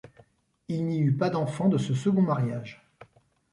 Il n'y eut pas d'enfant de ce second mariage.